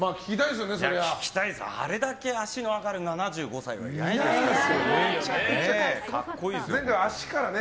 あれだけ足の上がる７５歳はいないですからね。